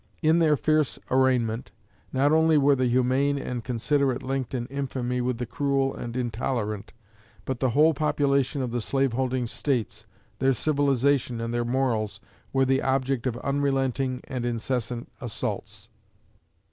In their fierce arraignment, not only were the humane and considerate linked in infamy with the cruel and intolerant, but the whole population of the slave holding States, their civilization and their morals were the object of unrelenting and incessant assaults.